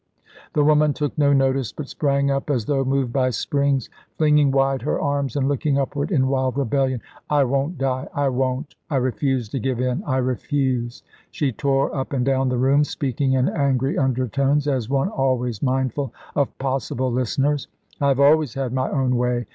The woman took no notice, but sprang up, as though moved by springs, flinging wide her arms, and looking upward in wild rebellion. "I won't die I won't. I refuse to give in I refuse"; she tore up and down the room, speaking in angry undertones, as one always mindful of possible listeners. "I have always had my own way!"